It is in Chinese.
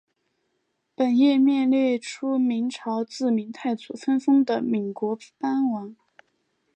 本页面列出明朝自明太祖分封的岷国藩王。